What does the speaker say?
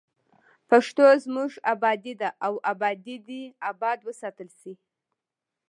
پښتو زموږ ابادي ده او ابادي دې اباد وساتل شي.